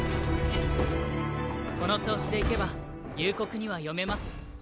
この調子でいけば夕刻には読めます。